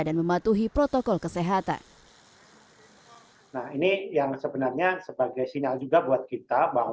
dan mematuhi protokol kesehatan